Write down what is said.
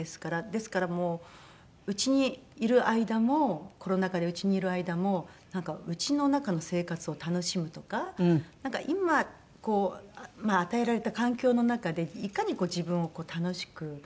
ですからもううちにいる間もコロナ禍でうちにいる間もなんかうちの中の生活を楽しむとか今与えられた環境の中でいかに自分を楽しく過ごす事。